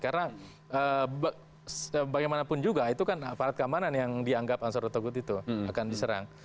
karena bagaimanapun juga itu kan aparat keamanan yang dianggap ansur otogut itu akan diserang